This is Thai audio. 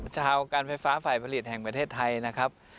ชาวการไฟฟ้าฝ่ายผลิตแห่งประเทศไทยนะครับ